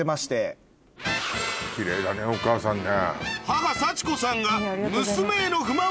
キレイだねお母さんね。